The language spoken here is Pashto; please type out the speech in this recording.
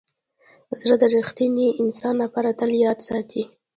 زړه د ریښتیني انسان لپاره تل یاد ساتي.